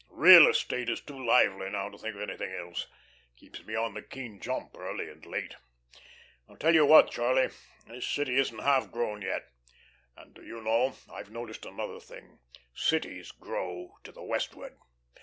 Real estate is too lively now to think of anything else; keeps me on the keen jump early and late. I tell you what, Charlie, this city isn't half grown yet. And do you know, I've noticed another thing cities grow to the westward.